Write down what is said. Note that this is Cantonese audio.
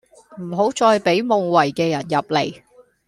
唔好再畀夢遺嘅人入嚟